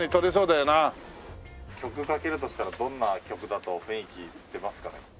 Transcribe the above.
曲かけるとしたらどんな曲だと雰囲気出ますかね？